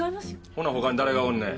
ほな他に誰がおんねん。